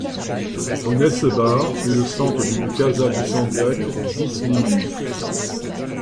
Au Nessebar est le centre d'une kaza du sandjak d'Islimye.